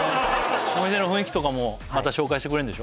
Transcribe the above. お店の雰囲気とかもまた紹介してくれるんでしょ？